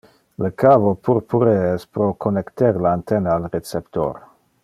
Le cavo purpuree es pro connecter le antenna al receptor.